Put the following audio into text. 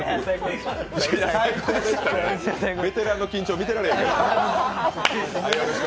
ベテランの緊張見てられへん。